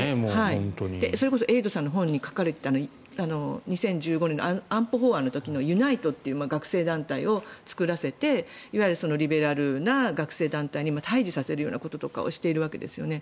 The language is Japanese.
それこそエイトさんの本に書かれていた２０１５年の安保法案の時ユナイトという学生団体を作らせていわゆるリベラルな学生団体に対峙させるということをしているわけですね。